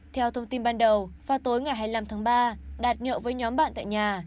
theo thông tin ban đầu vào tối ngày hai mươi năm tháng ba đạt nhậu với nhóm bạn tại nhà